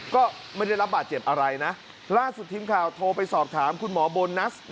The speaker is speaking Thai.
ก็ไม่ได้รับบาดเจ็บอะไรนะล่าสุดทีมข่าวโทรไปสอบถามคุณหมอโบนัส